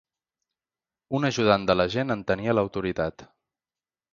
Un ajudant de l'agent en tenia l'autoritat.